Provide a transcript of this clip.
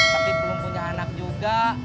tapi belum punya anak juga